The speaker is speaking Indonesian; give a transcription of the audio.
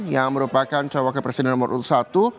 yang merupakan cawak presiden nomor urut satu